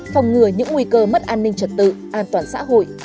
phòng ngừa những nguy cơ mất an ninh trật tự an toàn xã hội